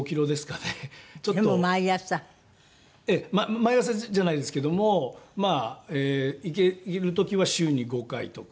毎朝じゃないですけどもまあいける時は週に５回とか。